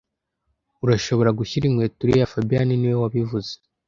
Urashobora gushira inkweto kuriyo fabien niwe wabivuze